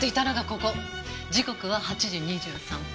時刻は８時２３分。